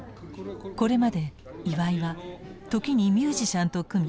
これまで岩井は時にミュージシャンと組み